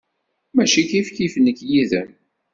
Mačči kifkif nekk yid-m.